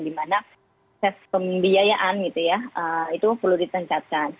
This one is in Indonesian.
dimana ses pembiayaan gitu ya itu perlu ditencatkan